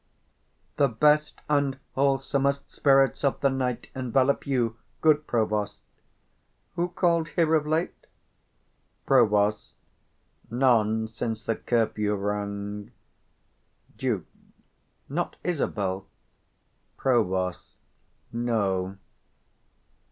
_ The best and wholesomest spirits of the night Envelop you, good Provost! Who call'd here of late? Prov. None, since the curfew rung. 70 Duke. Not Isabel? Prov. No.